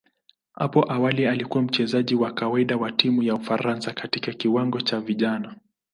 Hapo awali alikuwa mchezaji wa kawaida wa timu ya Ufaransa katika kiwango cha vijana.